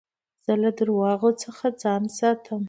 زه له درواغو څخه ځان ساتم.